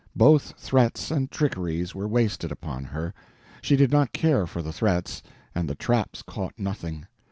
Both threats and trickeries were wasted upon her. She did not care for the threats, and the traps caught nothing.